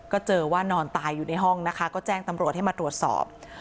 ก็เจอว่านอนตายอยู่ในห้องนะคะก็แจ้งตำรวจให้มาตรวจสอบ